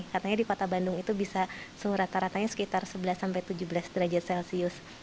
katanya di kota bandung itu bisa suhu rata ratanya sekitar sebelas tujuh belas derajat celcius